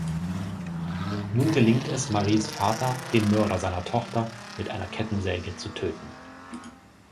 Nun gelingt es Maris Vater, den Mörder seiner Tochter mit einer Kettensäge zu töten.